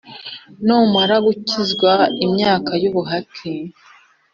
numara gukwiza imyaka yubuhake